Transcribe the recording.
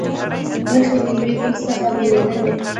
برخې له یو بل څخه بېلېدلې.